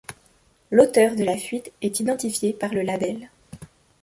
L'auteur de la fuite est identifié par le label.